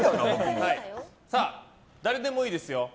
誰でもいいですよ。